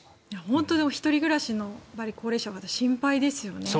本当に１人暮らしの高齢者心配ですよね。